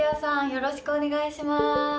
よろしくお願いします。